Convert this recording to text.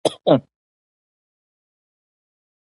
دا لپاره چې عبادت ته هڅوي.